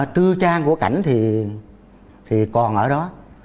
tư trang của cảnh thì còn ở đó